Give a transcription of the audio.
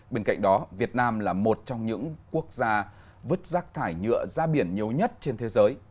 bên cạnh đó việt nam là một trong những quốc gia vứt rác thải nhựa ra biển nhiều nhất trên thế giới